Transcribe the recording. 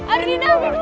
ardi udah dong